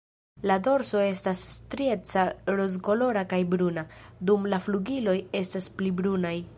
La dorso estas strieca rozkolora kaj bruna, dum la flugiloj estas pli brunaj.